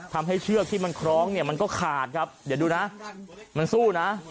เชือกที่มันคล้องเนี่ยมันก็ขาดครับเดี๋ยวดูนะมันสู้นะ